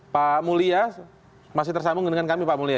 pak mulya masih tersambung dengan kami pak mulya ya